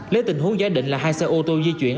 lấy tình huống giả định là hai xe ô tô di chuyển